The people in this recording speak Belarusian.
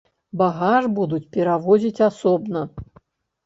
Багаж будуць перавозіць асобна.